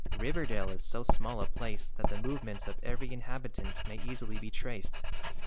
Riverdale is so small a place that the movements of every inhabitant may easily be traced.